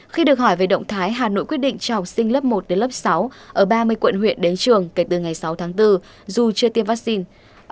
khi được hỏi về động thái hà nội quyết định cho học sinh lớp một đến lớp sáu ở ba mươi quận huyện đến trường kể từ ngày sáu tháng bốn dù chưa tiêm vaccine